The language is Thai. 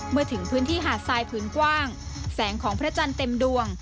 เมื่อถึงพื้นที่หาดทรายพื้นกว้างแสงของพระจันทร์เต็มดวง